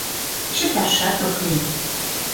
Чыташат ок лий.